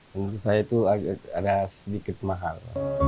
menurut saya itu ada sedikit mahal